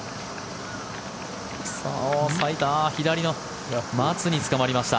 左の松につかまりました。